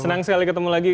senang sekali ketemu lagi